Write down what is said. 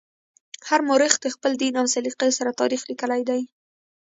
هر مورخ د خپل دین او سلیقې سره تاریخ لیکلی دی.